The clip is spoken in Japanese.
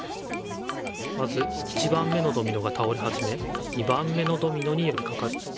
まず１番目のドミノが倒れはじめ２番目のドミノによりかかる。